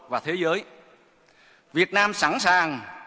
và thế giới việt nam sẵn sàng